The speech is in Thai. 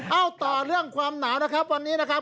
ต่อเรื่องความหนาวนะครับวันนี้นะครับ